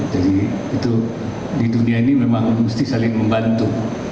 jadi itu di dunia ini memang mesti saling membantu